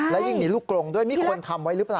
และยิ่งมีลูกกรงด้วยมีคนทำไว้หรือเปล่า